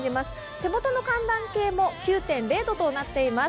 手元の寒暖計も９．０度となっています。